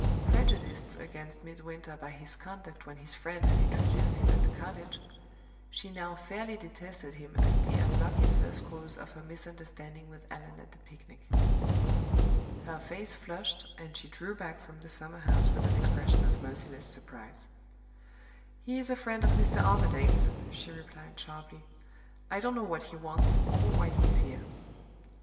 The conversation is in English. Prejudiced against Midwinter by his conduct when his friend had introduced him at the cottage, she now fairly detested him as the unlucky first cause of her misunderstanding with Allan at the picnic. Her face flushed and she drew back from the summerhouse with an expression of merciless surprise. "He is a friend of Mr. Armadale's," she replied sharply. "I don't know what he wants, or why he is here."